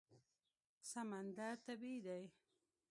سمندر طبیعي دی.